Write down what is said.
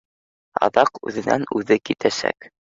Аҙаҡ үҙенән-үҙе китәсәк